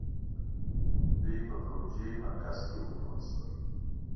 دوی په پوځي مرکز کې ونیول شول.